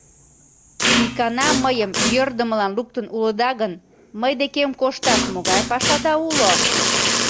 Икана мыйым йӧрдымылан луктын улыда гын, мый декем кошташ могай пашада уло?..